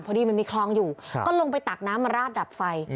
พอดีมันมีคลองอยู่ก็ลงไปตักน้ำมาราดดับไฟ